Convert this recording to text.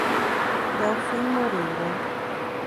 Delfim Moreira